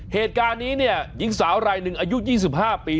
เหตุการณ์นี้เนี่ยหญิงสาวรายหนึ่งอายุ๒๕ปี